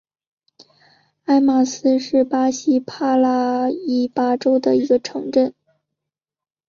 埃马斯是巴西帕拉伊巴州的一个市镇。